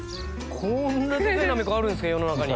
こんなデカイなめこあるんですか世の中に。